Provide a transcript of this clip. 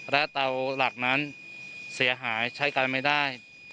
และเตาหลักนั้นเสียหายใช้กันไม่ได้